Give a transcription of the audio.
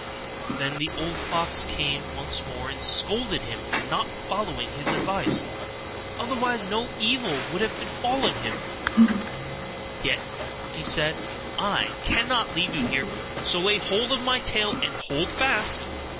Then the old fox came once more, and scolded him for not following his advice; otherwise no evil would have befallen him: 'Yet,' said he, 'I cannot leave you here, so lay hold of my tail and hold fast.